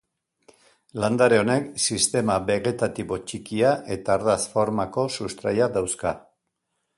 Landare honek sistema begetatibo txikia eta ardatz-formako sustraia dauzka.